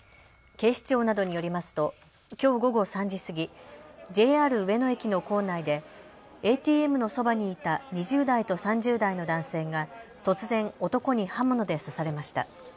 警視庁などによりますときょう午後３時過ぎＪＲ上野駅の構内でＡＴＭのそばにいた２０代と３０代の男性が突然、男に刃物で刺されました。